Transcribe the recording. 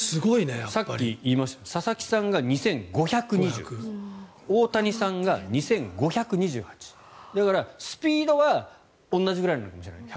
さっき言いましたけど佐々木さんが２５２０大谷さんが２５２８だから、スピードは同じぐらいなのかもしれない。